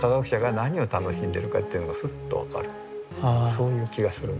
そういう気がするんですよ。